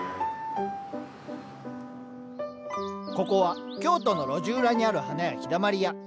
ここは京都の路地裏にある花屋「陽だまり屋」。